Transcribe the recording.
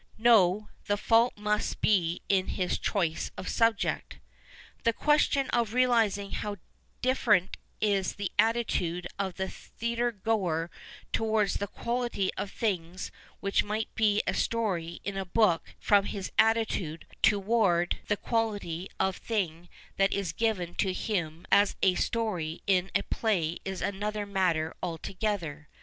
No, the fault must be in his choice of subject. " Tiie question of realizing how different is the attitude of the tlieatre goer toward the (juaiity of things wliich might be a story in a hook from his attitude toward 167 PASTICHE AND PREJUDICE the quality of tiling that is given to him as a story in a play is another matter altogether.